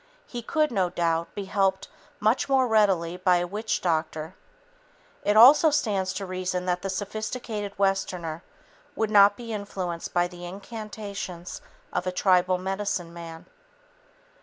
He could, no doubt, be helped much more readily by a witch doctor. It also stands to reason that the sophisticated Westerner would not be influenced by the incantations of a tribal medicine man.